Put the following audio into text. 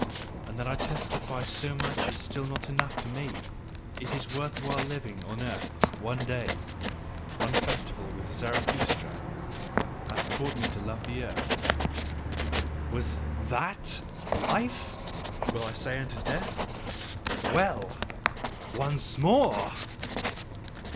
And that I testify so much is still not enough for me. It is worth while living on the earth: one day, one festival with Zarathustra, hath taught me to love the earth. 'Was THAT life?' will I say unto death. 'Well! Once more!